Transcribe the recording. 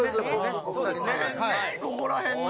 ここら辺ね。